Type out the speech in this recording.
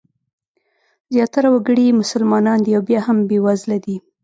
زیاتره وګړي یې مسلمانان دي او بیا هم بېوزله دي.